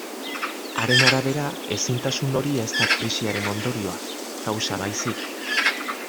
Haren arabera, ezintasun hori ez da krisiaren ondorioa kausa baizik.